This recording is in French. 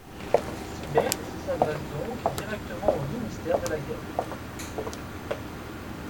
Sibert s'adresse donc directement au ministère de la guerre.